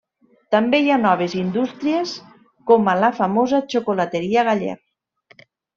També hi ha noves indústries, com a la famosa xocolateria Galler.